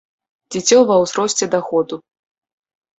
Дзіцё ва ўзросце да году.